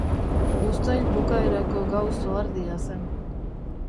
Uztail bukaerako gau zohardia zen.